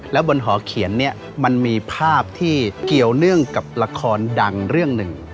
แล้วบนหอเขียนเนี่ยมันมีภาพที่เกี่ยวเนื่องกับละครดังเรื่องหนึ่ง